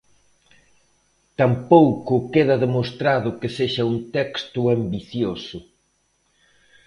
Tampouco queda demostrado que sexa un texto ambicioso.